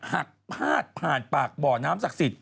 หากพาดผ่านปากบ่อน้ำศักดิ์สิทธิ